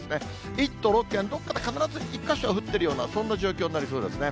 １都６県、どっかで必ず１か所は降ってるような、そんな状況になりそうですね。